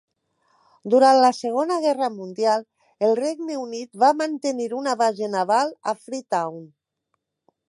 Durant la Segona Guerra Mundial el Regne Unit va mantenir una base naval a Freetown.